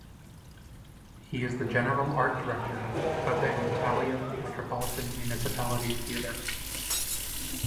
He is the general art director of the Antalya Metropolitan Municipality Theatre.